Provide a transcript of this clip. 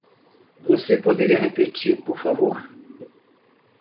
Você poderia repetir por favor?